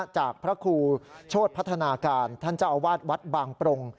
จากพระครูโชธพัฒนาการท่านเจ้าอาวาสวัดบางปรง